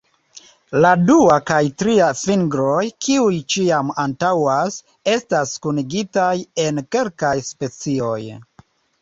La dua kaj tria fingroj, kiuj ĉiam antaŭas, estas kunigitaj en kelkaj specioj.